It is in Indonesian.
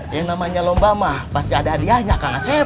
yang namanya lomba mah pasti ada hadiahnya kak ngasep